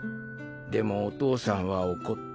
でもお父さんは怒った。